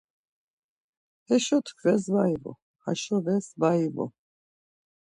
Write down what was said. Heşo tkves var ivu, haşo ves var ivu.